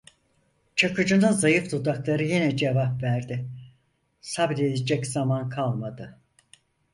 Çakıcı'nın zayıf dudakları yine cevap verdi: - Sabredecek zaman kalmadı.